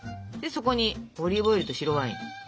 そこにオリーブオイルと白ワイン。